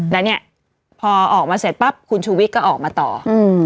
แล้วเนี่ยพอออกมาเสร็จปั๊บคุณชูวิทย์ก็ออกมาต่ออืม